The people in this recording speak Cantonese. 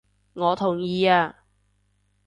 我同意啊！